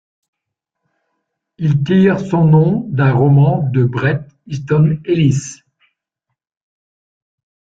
Il tire son nom d'un roman de Bret Easton Ellis.